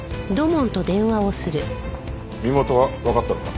身元はわかったのか？